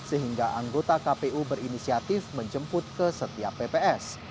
sehingga anggota kpu berinisiatif menjemput ke setiap pps